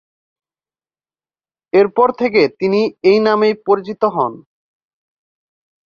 এরপর থেকে তিনি এই নামেই পরিচিত হন।